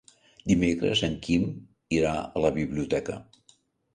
Dimecres en Quim irà a la biblioteca.